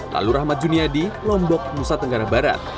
lalu rahmat juniadi lombok nusa tenggara barat